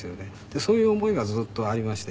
そういう思いがずっとありまして。